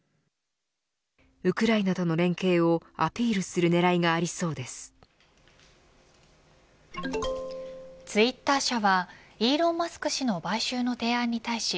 ウクライナとの連携をアピールする狙いがツイッター社はイーロン・マスク氏の買収の提案に対し